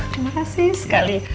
terima kasih sekali